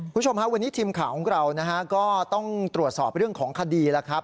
คุณผู้ชมฮะวันนี้ทีมข่าวของเรานะฮะก็ต้องตรวจสอบเรื่องของคดีแล้วครับ